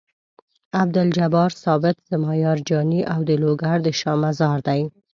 عبدالجبار ثابت زما یار جاني او د لوګر د شاه مزار دی.